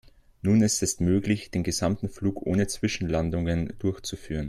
Nun ist es möglich, den gesamten Flug ohne Zwischenlandungen durchzuführen.